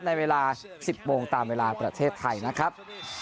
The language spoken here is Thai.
ในเวลา๑๐โมงตามเวลาประเทศไทยนะครับ